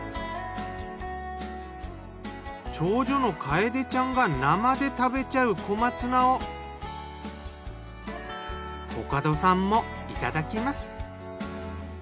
長女の楓ちゃんが生で食べちゃう小松菜をコカドさんもいただきます。